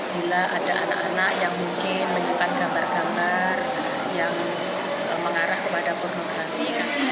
bila ada anak anak yang mungkin menyimpan gambar gambar yang mengarah kepada pornografi